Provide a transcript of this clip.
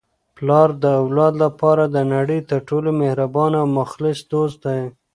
پلار د اولاد لپاره د نړۍ تر ټولو مهربانه او مخلص دوست دی.